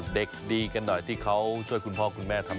เด็กดีกันหน่อยที่เขาช่วยคุณพ่อคุณแม่ทำ